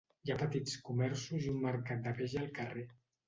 Hi ha petits comerços i un mercat de peix al carrer.